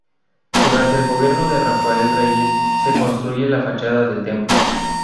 Durante el gobierno de Rafael Reyes se construye la fachada del templo.